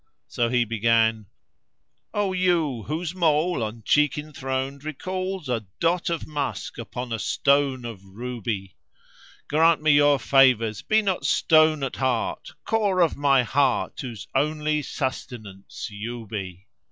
So he began:— "O you whose mole on cheek enthroned recalls * A dot of musk upon a stone of ruby, Grant me your favours! Be not stone at heart! * Core of my heart whose only sustenance you be!"